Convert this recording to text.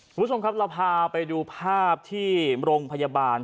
คุณผู้ชมครับเราพาไปดูภาพที่โรงพยาบาล